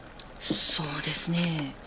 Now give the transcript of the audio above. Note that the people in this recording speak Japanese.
そうですね。